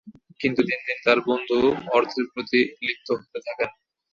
কিন্তু দিন দিন তার বন্ধু অর্থের প্রতি লিপ্ত হতে থাকেন।